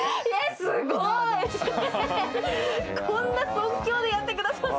すごい！こんな即興でやってくださって。